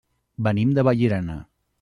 Venim de Vallirana.